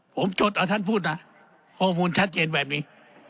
ผมจดเอาท่านพูดนะข้อมูลชัดเจนแบบนี้